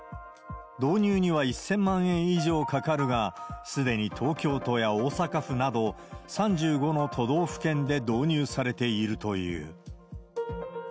導入には１０００万円以上かかるが、すでに東京都や大阪府など、３５の都道府県で導入されているという。